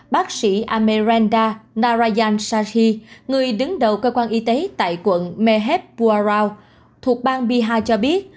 bác sĩ ameerenda narayan shahi người đứng đầu cơ quan y tế tại quận mehepwarao thuộc bang bihar cho biết